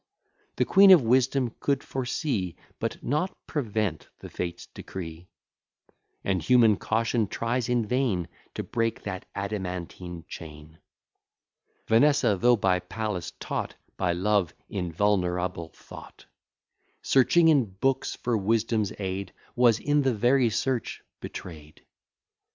The Queen of Wisdom could foresee, But not prevent, the Fates' decree: And human caution tries in vain To break that adamantine chain. Vanessa, though by Pallas taught, By Love invulnerable thought, Searching in books for wisdom's aid, Was, in the very search, betray'd.